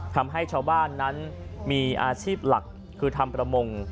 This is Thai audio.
ทำให้ชาวบ้านนั้นมีอาชีพหลักคือทำประมง